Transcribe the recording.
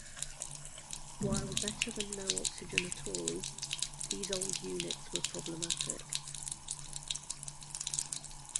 While better than no oxygen at all, these old units were problematic.